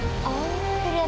ternyata costumnya lebih viktig